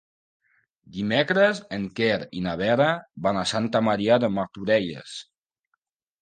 Dimecres en Quer i na Vera van a Santa Maria de Martorelles.